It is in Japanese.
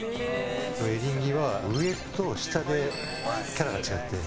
エリンギは上と下でキャラが違って。